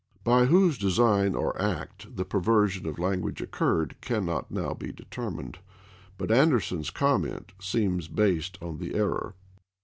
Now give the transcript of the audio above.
By whose design or act the perversion of lan guage occurred cannot now be determined; but Anderson's comment seems based upon the error.